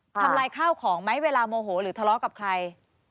ทำลายข้าวของไหมเวลาโมโหหรือทะเลาะกับใคร